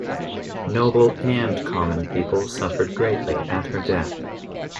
Noble and common people suffered greatly at her death.